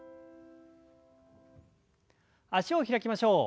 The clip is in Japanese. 脚を開きましょう。